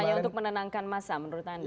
hanya untuk menenangkan masa menurut anda